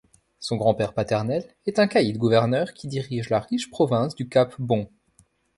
Son grand-père paternel est un caïd-gouverneur qui dirige la riche province du cap Bon.